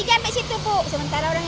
mana itu kita mau jualan